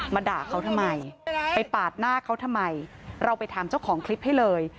ด่าเขาทำไมไปปาดหน้าเขาทำไมเราไปถามเจ้าของคลิปให้เลย